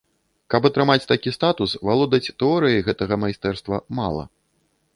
Каб атрымаць такі статус, валодаць тэорыяй гэтага майстэрства мала.